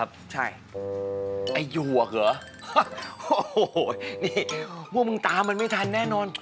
โอ้โฮนี่พวกมึงตามันไม่ทันแน่นอน